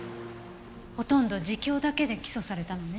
ほとんど自供だけで起訴されたのね。